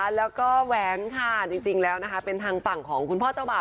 แล้วก็แหวนค่ะจริงแล้วนะคะเป็นทางฝั่งของคุณพ่อเจ้าบ่าว